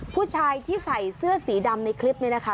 ผู้ชายที่ใส่เสื้อสีดำในคลิปนี้นะคะ